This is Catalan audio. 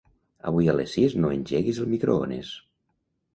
Avui a les sis no engeguis el microones.